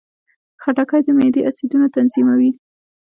خټکی د معدې اسیدونه تنظیموي.